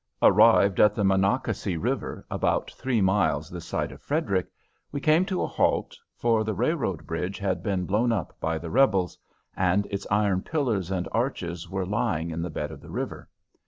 Arrived at the Monocacy River, about three miles this side of Frederick, we came to a halt, for the railroad bridge had been blown up by the Rebels, and its iron pillars and arches were lying in the bed of the river.